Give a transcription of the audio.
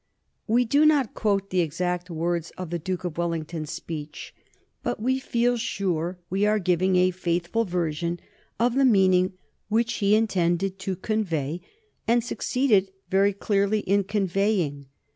We do not quote the exact words of the Duke of Wellington's speech, but we feel sure we are giving a faithful version of the meaning which he intended to convey and succeeded very clearly in conveying.